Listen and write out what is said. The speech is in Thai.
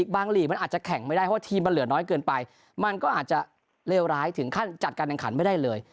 หลีกมันอาจจะแข่งไม่ได้เพราะว่าทีมมันเหลือน้อยเกินไปมันก็อาจจะเลวร้ายถึงขั้นจัดการแข่งขันไม่ได้เลย